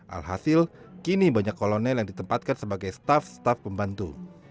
alhasil kini banyak kolonel yang ditempatkan sebagai staff staff pembantu